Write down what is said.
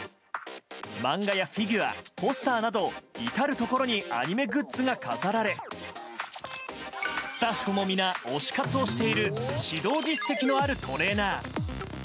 漫画やフィギュア、ポスターなど至るところにアニメグッズが飾られスタッフも皆、推し活をしている指導実績のあるトレーナー。